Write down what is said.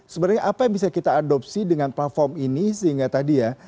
sebenarnya apa yang bisa kita adopsi dengan platform ini sehingga tadi ya